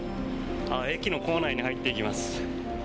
駅の構内に入っていきます。